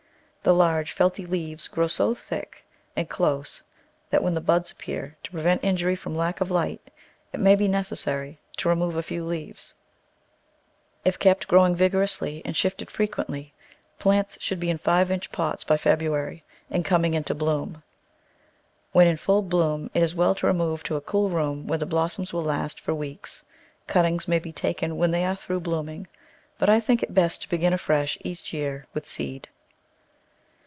The large felty leaves grow so thick and close that when the buds appear, to prevent injury from lack of light it may be necessary to remove a few leaves. If kept Digitized by Google Eight] f^ottge^lante 69 growing vigorously and shifted frequently, plants should be in five inch pots by February and coming into bloom. When in full bloom it is well to remove to a cool room, where the blossoms will last for weeks. Cuttings may be taken when they are through bloom ing, but I think it best to begin afresh each year with seed.